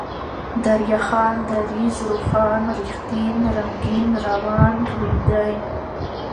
دريا خان ، دريځ ، روښان ، رښتين ، رنگين ، روان ، ريدی